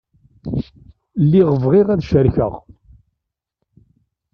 Lliɣ bɣiɣ ad t-cerkeɣ.